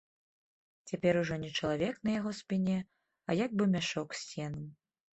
Цяпер ужо не чалавек на яго спіне, а як бы мяшок з сенам.